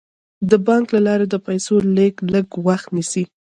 د بانک له لارې د پيسو لیږد لږ وخت نیسي.